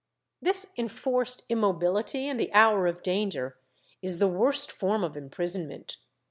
This enforced immobility in the hour of danger is the worst form of imprisonment.